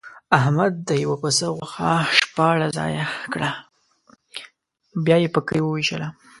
احمد د یوه پسه غوښه شپاړس ځایه کړه، بیا یې په کلي ووېشله.